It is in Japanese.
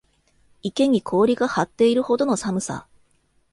池に氷が張っているほどの寒さ